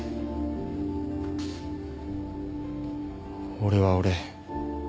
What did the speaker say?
俺は俺。